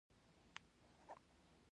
یوازیتوب د ودې برخه ده.